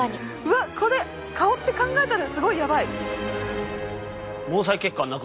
うわこれ顔って考えたらすごいやばい。